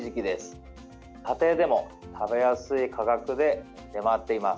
家庭でも食べやすい価格で出回っています。